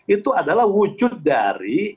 itu adalah wujud dari